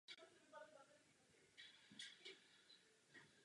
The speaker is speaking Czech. Za svou nejvyšší prioritu si stanovíte východisko z krize.